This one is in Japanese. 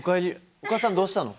お母さんどうしたの？